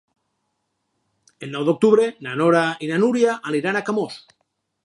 El nou d'octubre na Nora i na Núria aniran a Camós.